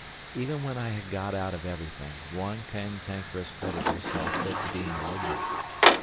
Even when I had got out of everything, one cantankerous creditor saw fit to be malignant.